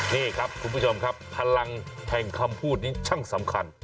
นี่ครับคุณผู้ชมครับพลังแห่งคำพูดนี้ช่างสำคัญ